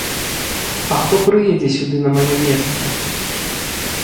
А хто прыедзе сюды на маё месца?